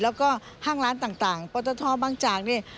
แล้วก็ห้างร้านต่างปตทบางจากนี่